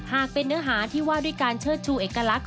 เป็นเนื้อหาที่ว่าด้วยการเชิดชูเอกลักษณ